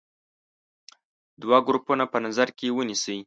دوه ګروپونه په نظر کې ونیسئ.